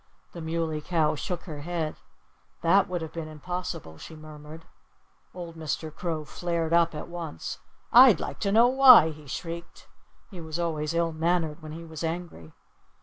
The Muley Cow shook her head. "That would have been impossible," she murmured. Old Mr. Crow flared up at once. "I'd like to know why!" he shrieked. He was always ill mannered when he was angry.